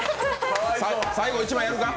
最後、１枚やるか？